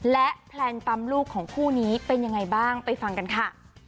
และแพลนปั๊มลูกของคู่นี้เป็นยังไงบ้างไปฟังกันค่ะ